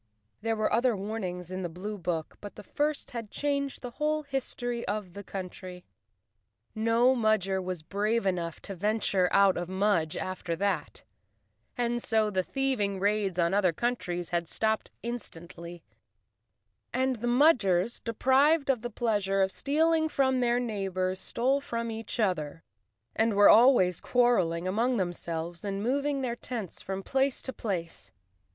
There were other warnings in the blue book, but the first had changed the whole history of the country. No Mudger was brave enough to venture out of Mudge after that, so the thieving raids on other countries had stopped instantly, and the Mudgers, deprived of the pleasure of stealing from their neighbors, stole from each other, and were always quarreling among them¬ selves and moving their tents from place to place.